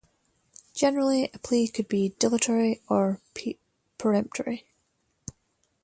Generally, a plea could be dilatory or peremptory.